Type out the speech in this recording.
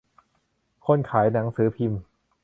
คนขายหนังสือพิมพ์